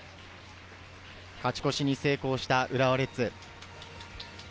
勝ち越しに成功した浦和レッズ。